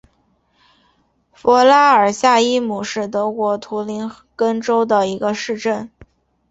弗拉尔夏伊姆是德国图林根州的一个市镇。